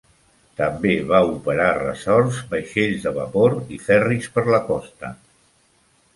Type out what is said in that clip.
També va operar resorts, vaixells de vapor i ferris per la costa.